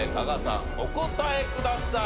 お答えください。